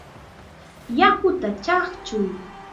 ¡Yakuta chaqchuy!